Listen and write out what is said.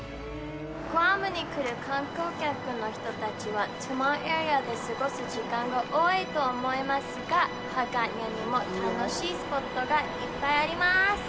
グアムに来る観光客の人たちはタモンエリアで過ごす時間が多いと思いますが、ハガニアにも楽しいスポットがいっぱいあります。